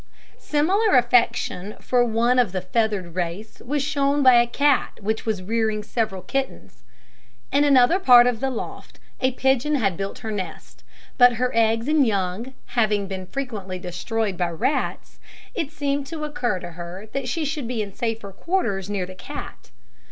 Similar affection for one of the feathered race was shown by a cat which was rearing several kittens. In another part of the loft a pigeon had built her nest; but her eggs and young having been frequently destroyed by rats, it seemed to occur to her that she should be in safer quarters near the cat.